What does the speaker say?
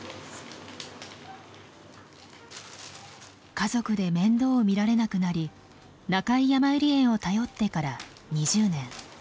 家族で面倒をみられなくなり中井やまゆり園を頼ってから２０年。